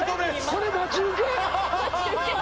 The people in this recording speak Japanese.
これ待ち受け？